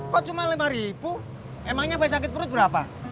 kok cuma lima ribu emangnya baik sakit perut berapa